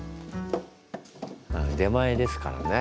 出前ですからね。